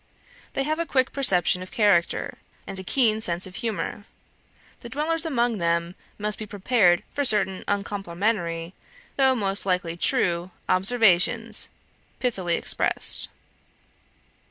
They have a quick perception of character, and a keen sense of humour; the dwellers among them must be prepared for certain uncomplimentary, though most likely true, observations, pithily expressed.